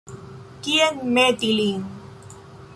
Kien meti lin?